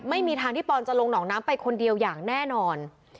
ไม่มีทางที่ปอนจะลงหนองน้ำไปคนเดียวอย่างแน่นอน